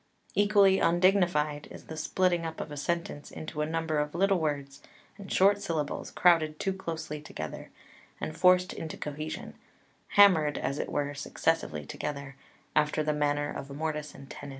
Equally undignified is the splitting up of a sentence into a number of little words and short syllables crowded too closely together and forced into cohesion, hammered, as it were, successively together, after the manner of mortice and tenon.